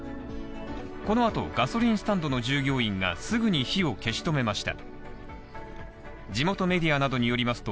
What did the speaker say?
この後、ガソリンスタンドの従業員がすぐに火を消し止めました。